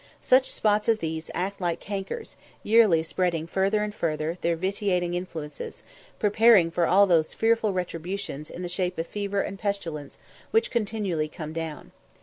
Such spots as these act like cankers, yearly spreading further and further their vitiating influences, preparing for all those fearful retributions in the shape of fever and pestilence which continually come down.